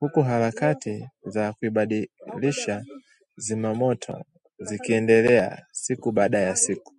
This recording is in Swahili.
huku harakati za kuibalisha Zimamoto zikiendelea siku baada ya siku